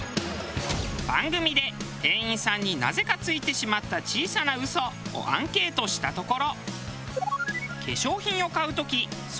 番組で店員さんになぜかついてしまった小さな嘘をアンケートしたところ。